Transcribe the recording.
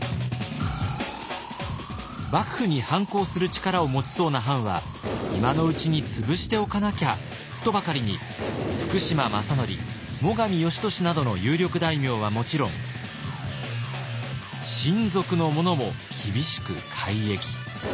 幕府に反抗する力を持ちそうな藩は今のうちに潰しておかなきゃとばかりに福島正則最上義俊などの有力大名はもちろん親族の者も厳しく改易。